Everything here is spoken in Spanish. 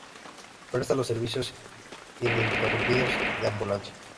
Presta los servicios ininterrumpidos de ambulancia.